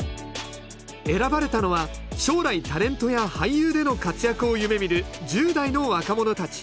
選ばれたのは将来タレントや俳優での活躍を夢みる１０代の若者たち。